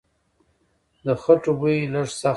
د خټو بوی لږ سخت و.